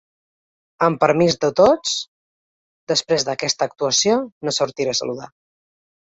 Amb permís de tots, després d’aquesta actuació no sortiré a saludar.